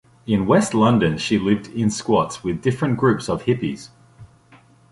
In West London she lived in squats with different groups of hippies.